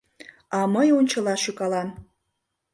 А мый ончыла шӱкалам.